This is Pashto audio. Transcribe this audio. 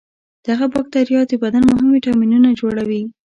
دغه بکتریا د بدن مهم ویتامینونه جوړوي.